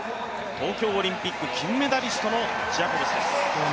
東京オリンピック金メダリストのジェイコブスです。